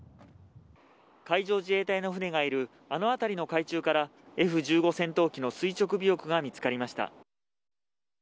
海上自衛隊の船がいるあの辺りの海中からＦ１５戦闘機の垂直尾翼が見つかりました。